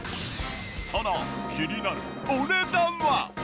その気になるお値段は？